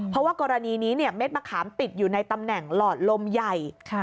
เพราะว่ากรณีนี้เม็ดมะขามติดอยู่ในตำแหน่งหลอดลมใหญ่